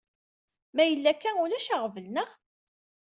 Ma yella akka, ulac aɣbel, neɣ?